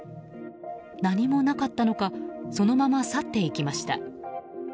何もなかったのかそのまま去っていきました。